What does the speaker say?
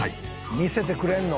見せてくれるの？